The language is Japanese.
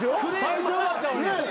最初良かったのに。